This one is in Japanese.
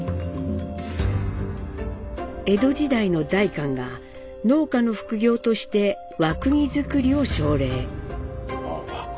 江戸時代の代官が農家の副業として和釘作りを奨励。